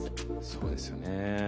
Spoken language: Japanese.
そうですね。